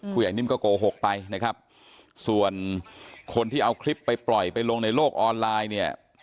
ผู้ใหญ่นิ่มก็โกหกไปนะครับส่วนคนที่เอาคลิปไปปล่อยไปลงในโลกออนไลน์เนี่ย